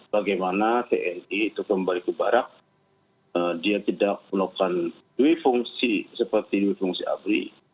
bagaimana tni tukang baliku barat dia tidak melakukan duit fungsi seperti duit fungsi abri